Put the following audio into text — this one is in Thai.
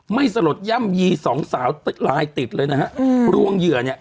สลดย่ำยีสองสาวลายติดเลยนะฮะอืมรวงเหยื่อเนี่ย